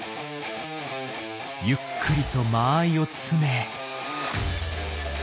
ゆっくりと間合いを詰め。